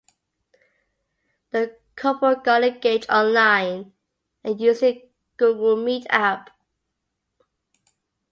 The couple got engaged online using the Google Meet app.